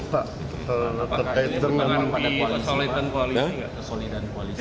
pak terkait dengan kekuatan koalisi